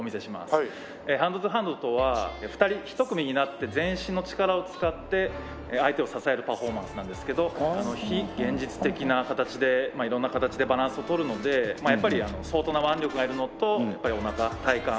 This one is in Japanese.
ハンドトゥハンドとは２人１組になって全身の力を使って相手を支えるパフォーマンスなんですけど非現実的な形で色んな形でバランスを取るのでやっぱり相当な腕力がいるのとおなか体幹